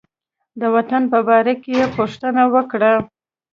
د وطن په باره کې یې پوښتنه وکړه.